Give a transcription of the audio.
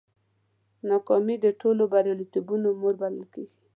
ناکامي د ټولو بریالیتوبونو مور بلل کېږي.